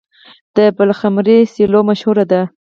د پلخمري سیلو مشهوره ده.